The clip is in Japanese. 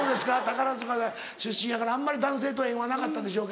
宝塚出身やからあんまり男性と縁はなかったでしょうけど。